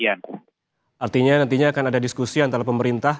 artinya nantinya akan ada diskusi antara pemerintah